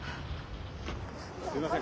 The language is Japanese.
すいません。